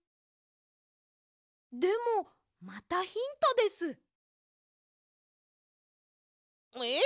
でもまたヒントです。えっ！？